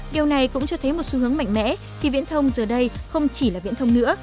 điều này cũng cho thấy một xu hướng mạnh mẽ thì viễn thông giờ đây không chỉ là viễn thông nữa